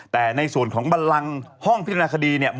แต่ในส่วนของบันลังห้องพิจารณาคดีเนี่ย